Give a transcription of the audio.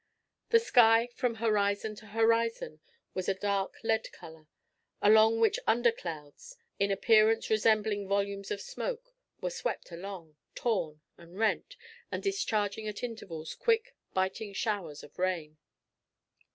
The sky, from horizon to horizon, was a dark lead color, along which under clouds, in appearance resembling volumes of smoke, were swept along, torn and rent, and discharging at intervals quick, biting showers of rain.